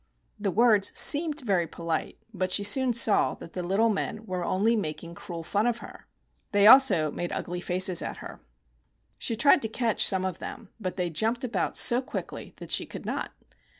The words seemed very polite; but she soon saw that the little men were only making cruel fun of her. They also made ugly faces at her. She tried to catch some of them; but they jumped about so quickly ihat she could not.